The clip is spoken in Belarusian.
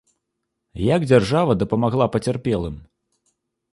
Як дзяржава дапамагла пацярпелым?